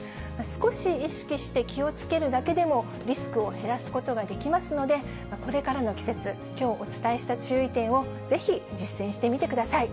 少し意識して気をつけるだけでも、リスクを減らすことができますので、これからの季節、きょうお伝えした注意点をぜひ実践してみてください。